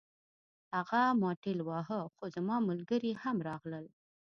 هغه ما ټېل واهه خو زما ملګري هم راغلل